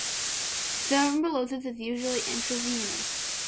Thrombolysis is usually intravenous.